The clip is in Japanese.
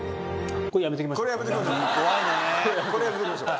これやめときましょう